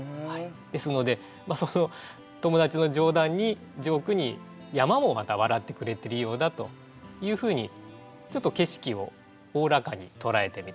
ですので友達の冗談にジョークに山もまた笑ってくれてるようだというふうにちょっと景色をおおらかに捉えてみたという句です。